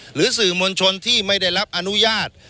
หรือสื่อมวลชนที่ไม่ได้รับอนุญาต